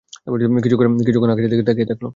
কিচ্ছুক্ষণ আকাশের দিকে তাকিয়ে থাকল।